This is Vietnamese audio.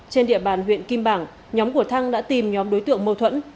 trên địa bàn huyện kim bảng nhóm của thăng đã tìm nhóm đối tượng mâu thuẫn